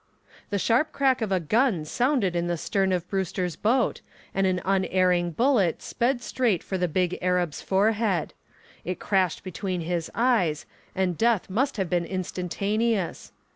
The sharp crack of a gun sounded in the stern of Brewster's boat, and an unerring bullet sped straight for the big Arab's forehead. It crashed between his eyes and death must have been instantaneous.